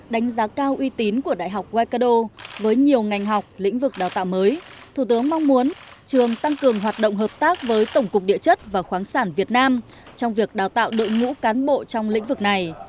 đánh giá cao uy tín của đại học wikado với nhiều ngành học lĩnh vực đào tạo mới thủ tướng mong muốn trường tăng cường hoạt động hợp tác với tổng cục địa chất và khoáng sản việt nam trong việc đào tạo đội ngũ cán bộ trong lĩnh vực này